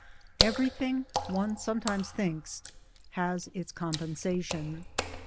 EVERYTHING, one sometimes thinks, has its Com pensation.